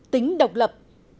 hai tính độc lập